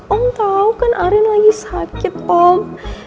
om tau kan arin lagi sakit om